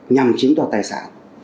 nhằm chiếm đoạt tài sản